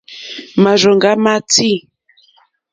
Màrzòŋɡá má tʃí.